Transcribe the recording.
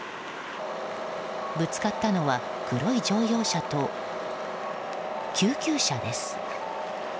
ぶつかったのは黒い乗用車と救急車です。